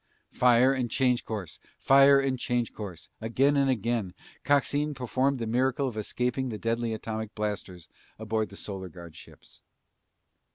Fire and change course, fire and change course, again and again, Coxine performed the miracle of escaping the deadly atomic blasters aboard the Solar Guard ships.